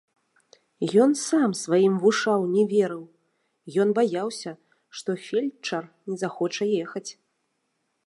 Ён сам сваім вушам не верыў, ён баяўся, што фельчар не захоча ехаць.